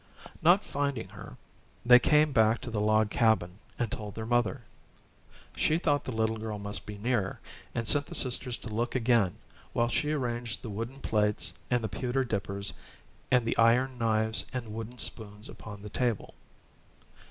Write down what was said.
Not finding her, they came back to the log cabin and told their mother. She thought the little girl must be near, and sent the sisters to look again, while she arranged the wooden plates and the pewter dippers and the iron knives and wooden spoons upon the table.